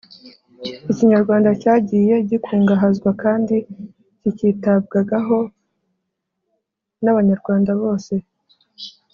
ikinyarwanda cyagiye gikungahazwa kandi kikitabwagaho n’abanyarwanda bose,